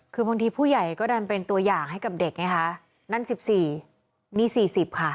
คือบางทีผู้ใหญ่ก็ดันเป็นตัวอย่างให้กับเด็กไงคะนั่นสิบสี่นี่สี่สิบค่ะ